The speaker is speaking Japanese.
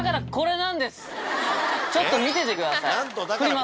ちょっと見ててください。